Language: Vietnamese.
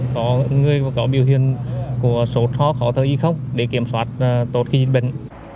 có người có biểu hiện của số thó khó thở y không để kiểm soát tốt khi dịch bệnh